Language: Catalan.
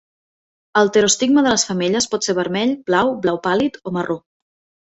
El pterostigma de les femelles pot ser vermell, blau, blau pàl·lid o marró.